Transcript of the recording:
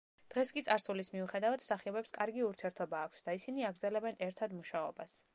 დღეს კი წარსულის მიუხედავად, მსახიობებს კარგი ურთიერთობა აქვთ და ისინი აგრძელებენ ერთად მუშაობას.